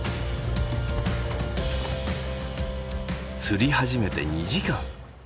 釣り始めて２時間。